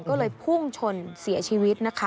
ก็เลยพุ่งชนเสียชีวิตนะคะ